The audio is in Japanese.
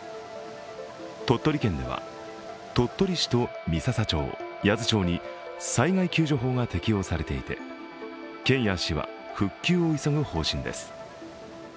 鳥取県では鳥取市と三朝町・八頭町に災害救助法が適用されていて県や市は復旧を急ぐ方針です。